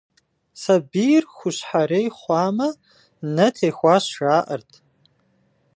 Сабийр хущхьэрей хъуамэ, нэ техуащ, жаӏэрт.